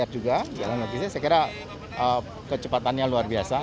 jalan logisnya saya kira kecepatannya luar biasa